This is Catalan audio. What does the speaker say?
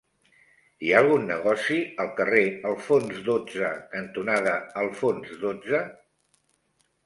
Hi ha algun negoci al carrer Alfons dotze cantonada Alfons dotze?